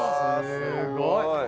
すごい！